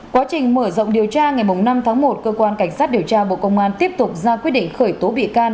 quá trình mở rộng điều tra ngày năm tháng một cơ quan cảnh sát điều tra bộ công an tiếp tục ra quyết định khởi tố bị can